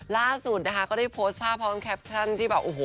ล่าสุดพี่หนุ่มสอนบอกว่า